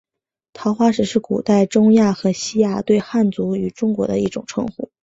桃花石是古代中亚和西亚对汉族与中国的一种称呼。